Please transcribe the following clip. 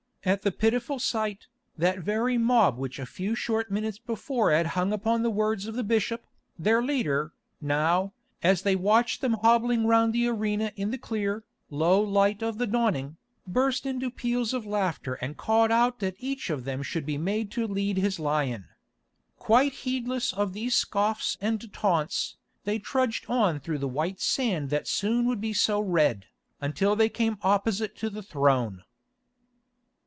At the pitiful sight, that very mob which a few short minutes before had hung upon the words of the bishop, their leader, now, as they watched them hobbling round the arena in the clear, low light of the dawning, burst into peals of laughter and called out that each of them should be made to lead his lion. Quite heedless of these scoffs and taunts, they trudged on through the white sand that soon would be so red, until they came opposite to the throne.